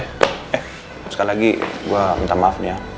eh sekali lagi gue minta maaf ya